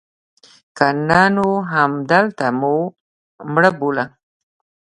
که نه نو همدلته مو مړه بوله.